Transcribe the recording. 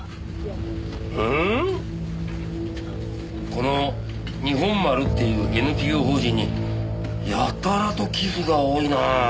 この日本丸っていうＮＰＯ法人にやたらと寄付が多いな。